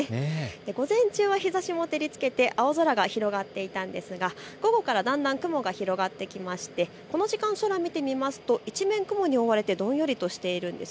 午前中は日ざしも照りつけて青空が広がっていたんですが午後からだんだん雲が広がってきましてこの時間、空を見てみますと一面雲に覆われてどんよりとしているんです。